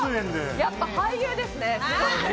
やっぱ俳優ですね。